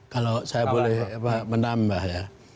kalau saya boleh menambah ya